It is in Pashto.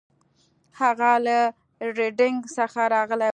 هغه له ریډینګ څخه راغلی و.